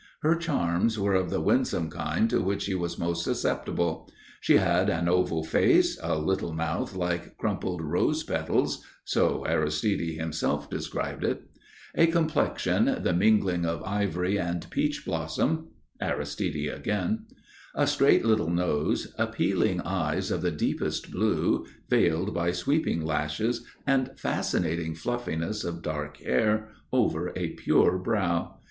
Her charms were of the winsome kind to which he was most susceptible. She had an oval face, a little mouth like crumpled rose petals (so Aristide himself described it), a complexion the mingling of ivory and peach blossom (Aristide again), a straight little nose, appealing eyes of the deepest blue veiled by sweeping lashes and fascinating fluffiness of dark hair over a pure brow.